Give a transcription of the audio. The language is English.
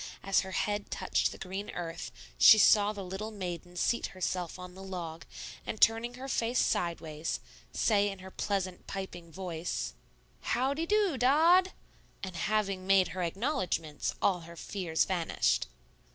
As her head touched the green earth, she saw the little maiden seat herself on the log, and turning her face sideways, say in her pleasant, piping voice, "How de do, Dod?" And having made her acknowledgments, all her fears vanished.